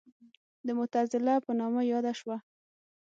د معتزله په نامه یاده شوه.